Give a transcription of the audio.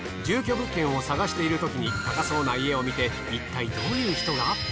住居物件を探しているときに高そうな家を見ていったいどういう人が？